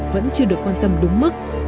vẫn chưa được quan tâm đúng mức